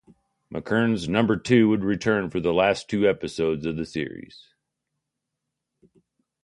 McKern's Number Two would return for the last two episodes of the series.